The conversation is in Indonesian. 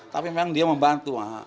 tapi memang dia membantu